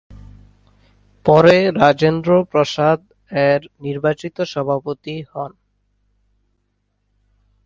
পরে রাজেন্দ্র প্রসাদ এর নির্বাচিত সভাপতি হন।